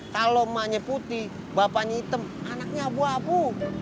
kalau manya putih bapaknya hitam anaknya abu abu